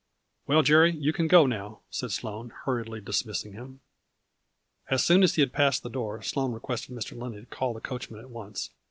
" Well, Jerry, you can go now," said Sloane, hurriedly dismissing him. As soon as he had passed the door, Sloane requested Mr. Lindley to call the coachman at once.